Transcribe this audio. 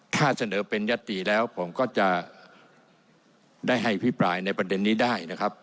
ถ้าเสนอเป็นยัตติแล้วผมก็จะได้ให้พิปรายในประเด็นนี้ได้นะครับ